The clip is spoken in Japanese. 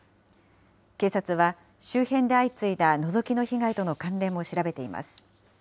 警察は周辺で相次いだのぞきの被害との関連も調べています。